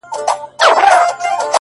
د سيند پر غاړه- سندريزه اروا وچړپېدل-